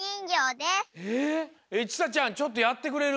えちさちゃんちょっとやってくれる？